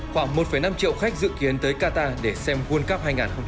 khoảng một năm triệu khách dự kiến tới qatar để xem world cup hai nghìn hai mươi